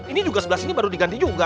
ini juga sebelah sini baru diganti juga